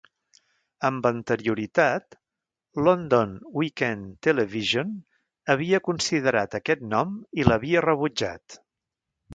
Amb anterioritat, London Weekend Television havia considerat aquest nom i l'havia rebutjat.